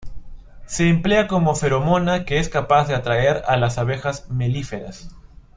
Se emplea como feromona que es capaz de atraer a las abejas melíferas.